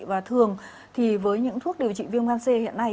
và thường thì với những thuốc điều trị viêm gan c hiện nay